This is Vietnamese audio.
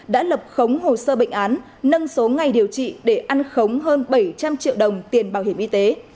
đã lập khống hồ sơ bệnh án nâng số ngày điều trị để ăn khống hơn bảy trăm linh triệu đồng tiền bảo hiểm y tế